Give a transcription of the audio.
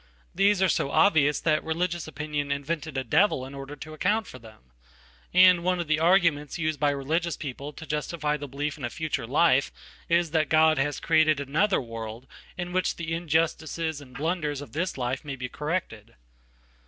These are so obvious that religions opinioninvented a devil in order to account for them. And one of thearguments used by religious people to justify the belief in afuture life is that God has created another world in which theinjustices and blunders of this life may be corrected.